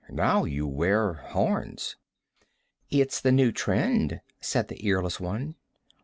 Now you wear horns." "It's the new trend," said the earless one.